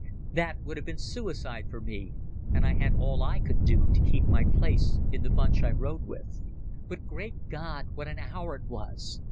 That would have been suicide for me, and I had all I could do to keep my place in the bunch I rode with. But, Great God! what an hour it was!